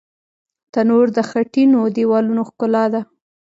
تنور د خټینو دیوالونو ښکلا ده